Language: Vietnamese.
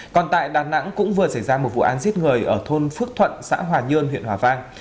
còn tại đà nẵng cũng vừa xảy ra một vụ án giết người ở thôn phước thuận xã hòa nhơn huyện hòa vang